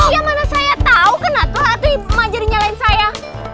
ya mana saya tau kenapa tuh ibu ibu aja dinyalain saya